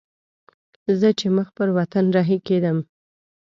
زه چې مخ پر وطن رهي کېدم.